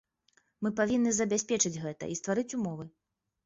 Мы павінны забяспечыць гэта і стварыць умовы.